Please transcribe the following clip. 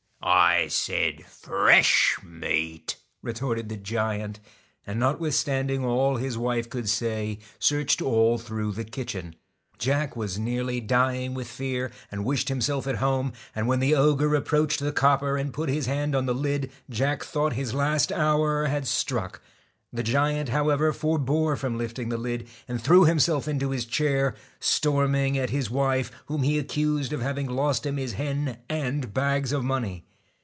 I 1 said fresh meat, ' retorted the giant ; and not withstanding all his wife could say, searched all through the kitchen. Jack was nearly dying with fear, and wished himself at home ; and when the ogre approached the copper and put his hand on the lid, Jack thought his last hour had struck. The giant however forbore from lifting the lid, and threw himself into his chair, storming at his wife, whom he accused of having lost him his hen and bags of money.